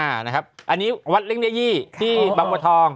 อันนี้วัดเล็กนิยยี่ที่บำวัดทอง